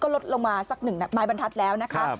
ลดลงมาสักหนึ่งไม้บรรทัศน์แล้วนะคะ